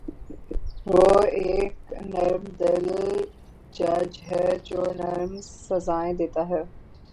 وہ ایک نرم دل جج ہے جو نرم سزایئں دیتا `ہے